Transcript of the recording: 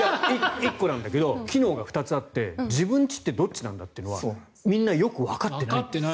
１個なんだけど機能が２つあって自分の家ってどっちなんだってみんなよくわかってない。